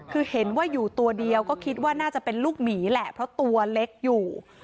คือเห็นว่าอยู่ตัวเดียวก็คิดว่าน่าจะเป็นลูกหมีแหละเพราะตัวเล็กอยู่